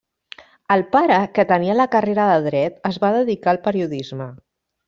El pare, que tenia la carrera de dret, es va dedicar al periodisme.